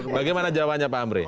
bagaimana jawabannya pak amri